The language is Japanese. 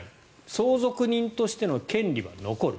相続人としての権利は残る。